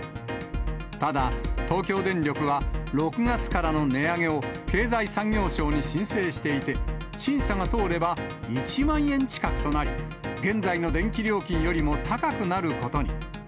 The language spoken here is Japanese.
ただ、東京電力は、６月からの値上げを経済産業省に申請していて、審査が通れば１万円近くとなり、現在の電気料金よりも高くなることに。